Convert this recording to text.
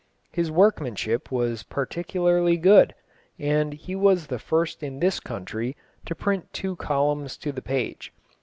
His workmanship was particularly good, and he was the first in this country to print two columns to the page.